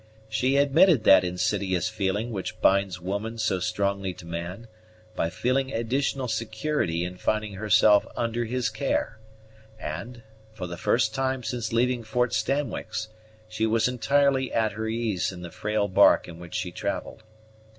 She admitted that insidious feeling which binds woman so strongly to man, by feeling additional security in finding herself under his care; and, for the first time since leaving Fort Stanwix, she was entirely at her ease in the frail bark in which she travelled.